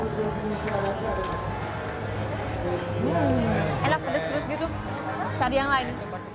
hmm enak pedas pedas gitu cari yang lain